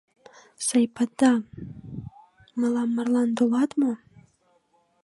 Сапайда, мылам марлан толат мо?